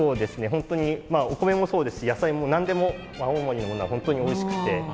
本当にまあお米もそうですし野菜も何でも青森のものは本当においしくて。